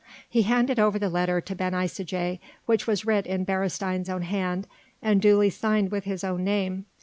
He handed over the letter to Ben Isaje which was writ in Beresteyn's own hand and duly signed with his own name.